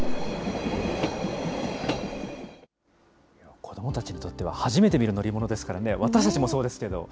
子どもたちにとっては初めて見る乗り物ですからね、私たちもわくわくしますね。